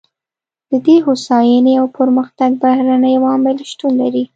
د دې هوساینې او پرمختګ بهرني عوامل شتون لري.